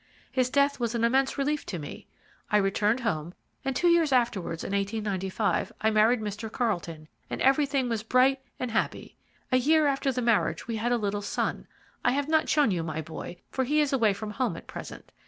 His death was an immense relief to me. I returned home, and two years afterwards, in 1895, I married Mr. Carlton, and everything was bright and happy. A year after the marriage we had a little son. I have not shown you my boy, for he is away from home at present.